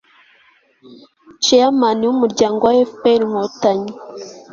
chairman w'umuryango fpr-inkotanyi